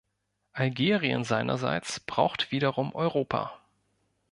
Algerien seinerseits braucht wiederum Europa.